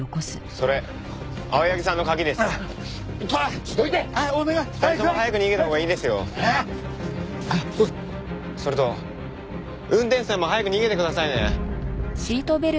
それと運転手さんも早く逃げてくださいね。